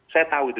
saya tahu itu